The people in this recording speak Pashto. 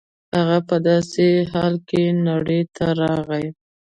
هغه په داسې حال کې نړۍ ته راغی.